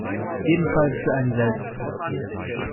Jedenfalls für einen selbst.